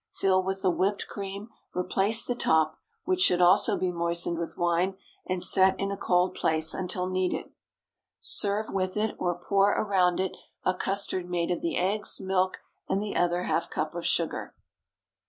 Fill with the whipped cream, replace the top, which should also be moistened with wine and set in a cold place until needed. Serve with it, or pour around it, a custard made of the eggs, milk, and the other half cup of sugar.